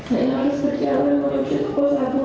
saya harus berjalan menuju ke satu